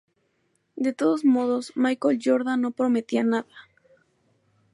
De todos modos, Michael Jordan no prometía nada.